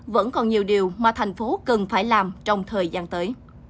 vẫn còn nhiều điều mà thành phố cần phải làm trong thời gian tới